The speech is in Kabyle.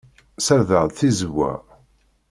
Ssardeɣ-d tizewwa.